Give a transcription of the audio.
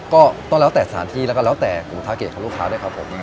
ก็แล้วแต่สถานที่แล้วก็แล้วแต่มูลค่าเกตของลูกค้าด้วยครับผม